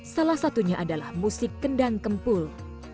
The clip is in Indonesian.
salah satunya adalah musik kendang kempul